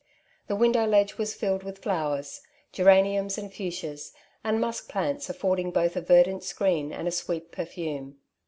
The window ledge was filled with flowers — geraniums, and fuchsias, and musk plants affording both a verdant screen and a sweet perfume.